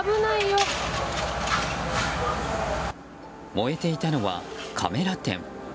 燃えていたのは、カメラ店。